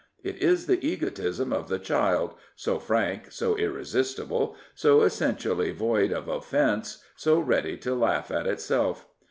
It is the egotism of the child, so frank, so irresistible, so essentially void of offence, so ready to laugh at itself.